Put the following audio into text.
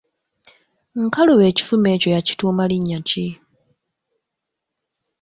Nkalubo ekifumu ekyo yakituuma linnya ki?